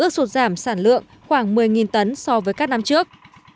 một giảm sản lượng khoảng một mươi tấn so với các năm trước